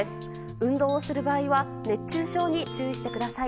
運動をする場合は熱中症に注意してください。